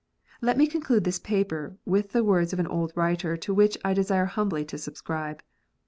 Let me conclude this paper with the words of an old writer, to which I desire humbly to subscribe.